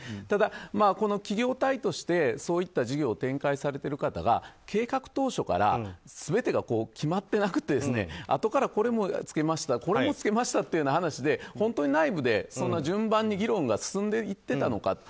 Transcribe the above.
ただ、この企業体としてそういった事業を展開されている方が計画当初から全てが決まってなくてあとから、これもつけましたこれもつけましたという話で本当に内部で順番に議論が進んでいっていたのか。